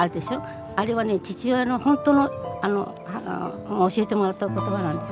あれはね父親の本当のあの教えてもらった言葉なんです。